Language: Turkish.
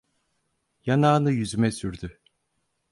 Yanağını yüzüme sürdü.